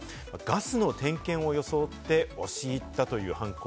ガスの点検を装って押し入ったという犯行。